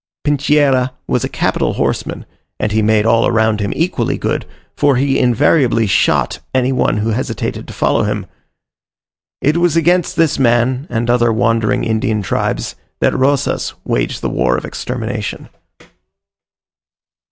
Pincheira was a capital horseman, and he made all around him equally good, for he invariably shot any one who hesitated to follow him. It was against this man, and other wandering Indian tribes, that Rosas waged the war of extermination.